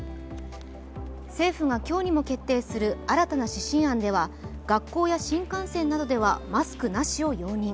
政府が今日にも決定する新たな指針案では、学校や新幹線などではマスクなしを容認。